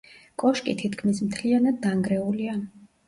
კოშკი თითქმის მთლიანად დანგრეულია.